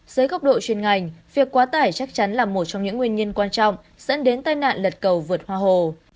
dưới góc độ chuyên ngành việc quá tải chắc chắn là một trong những nguyên nhân quan trọng dẫn đến tai nạn lật cầu vượt hoa hồ